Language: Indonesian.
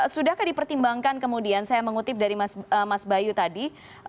sudahkah dipertimbangkan kemudian saya mengutip dari mas bayu tadi